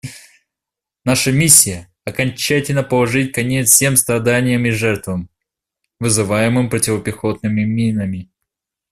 Наша миссия — окончательно положить конец всем страданиям и жертвам, вызываемым противопехотными минами.